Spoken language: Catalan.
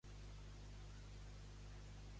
Qui va concebre el veïnat?